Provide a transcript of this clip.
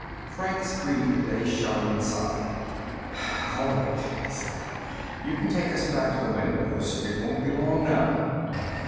Franks breathed a shuddering sigh. "All right," he said. "You can take us back to the windows. It won't be long now."